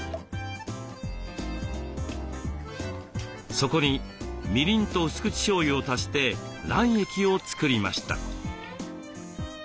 そこにみりんとうす口しょうゆを足して卵液を作りました。